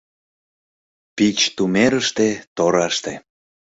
Пич тумерыште, тораште».